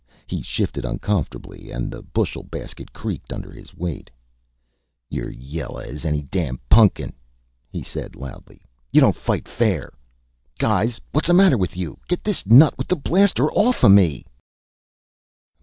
He shifted uncomfortably, and the bushel basket creaked under his weight. "You're yella as any damn pun'kin!" he said loudly. "You don't fight fair!... Guys what's the matter with you? Get this nut with the blaster offa me!..."